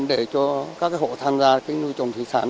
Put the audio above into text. để cho các hộ tham gia nuôi trồng thủy sản